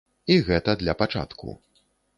І гэта для пачатку.